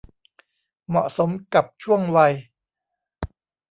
เหมาะสมกับช่วงวัย